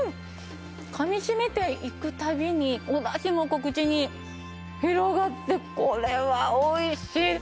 かみしめていくたびにおだしも口に広がってこれはおいしい！